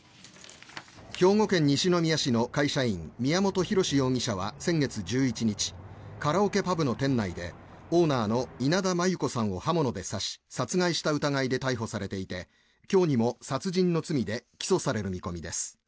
兵庫県西宮市の会社員宮本浩志容疑者は先月１１日カラオケパブの店内でオーナーの稲田真優子さんを刃物で刺し殺害した疑いで逮捕されていて今日にも殺人の罪で起訴される見込みです。